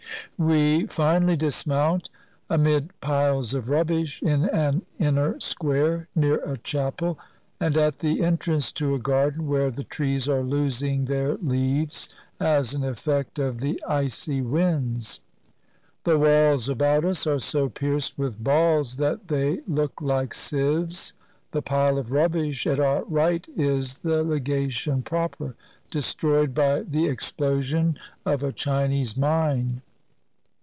We finally dismount, amid piles of rubbish, in an inner square near a chapel, and at the entrance to a garden where the trees are losing their leaves as an effect of the icy winds. The walls about us are so pierced with balls that they look like sieves. The pile of rubbish at our right is the legation proper, destroyed by the explosion of a Chinese mine.